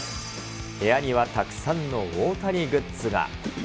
部屋にはたくさんの大谷グッズが。